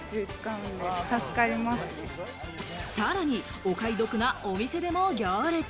さらにお買い得なお店でも行列。